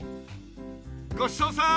ごちそうさん！